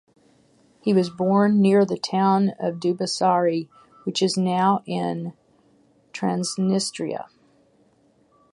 He was born near the town of Dubasari, which is now in Transnistria.